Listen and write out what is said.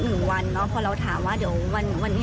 คุณผู้ชมถามมาในไลฟ์ว่าเขาขอฟังเหตุผลที่ไม่ให้จัดอีกที